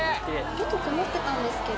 ちょっと曇ってたんですけど